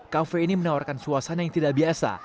kafe ini menawarkan suasana yang tidak biasa